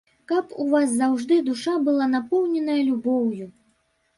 Каб у вас заўжды душа была напоўненая любоўю!